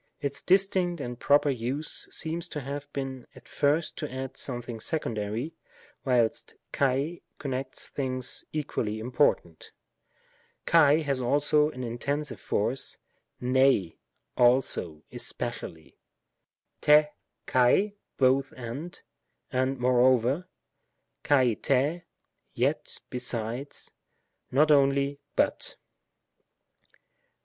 Its distinct and proper use seems to have been at first to add something secondary, whilst xal connects things equally important, xal has also an intensive foTce=7ia/f/, aleo^ especially, n — xaly "both —and," "and moreover;" xal—rsy "yet — besides," "not only — but."